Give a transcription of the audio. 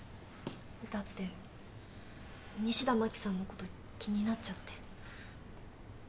だって西田真紀さんのこと気になっちゃって。